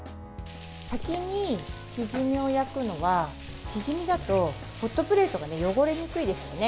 先にチヂミを焼くのはチヂミだとホットプレートが汚れにくいんですよね。